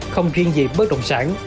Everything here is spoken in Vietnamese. không riêng gì bất động sản